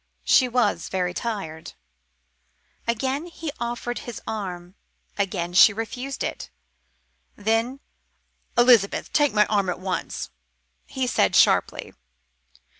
She was very tired. Again he offered his arm; again she refused it. Then, "Elizabeth, take my arm at once!" he said sharply.